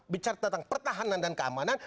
bicara tentang pertahanan dan keamanan